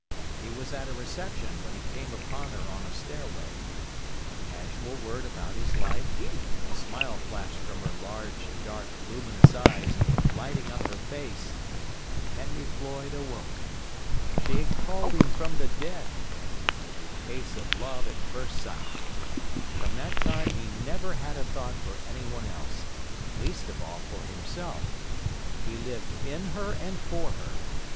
He was at a reception when he came upon her on a stairway. A casual word about his life, a smile flashed from her large, dark, luminous eyes, lighting up her face, and Henry Floyd awoke. She had called him from the dead. It was a case of love at first sight. From that time he never had a thought for anyone else, least of all for himself. He lived in her and for her.